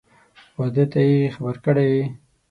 واده ته یې خبر کړی یې؟